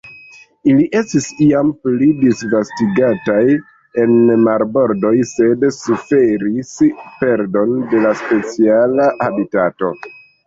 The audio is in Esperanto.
Ili estis iam pli disvastigataj en marbordoj, sed suferis perdon de la speciala habitato.